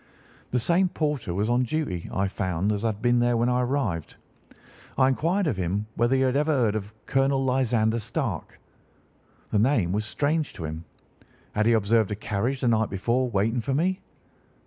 The same porter was on duty, I found, as had been there when I arrived. I inquired of him whether he had ever heard of Colonel Lysander Stark. The name was strange to him. Had he observed a carriage the night before waiting for me?